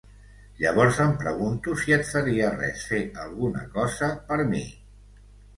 Llavors em pregunto si et faria res fer alguna cosa per mi.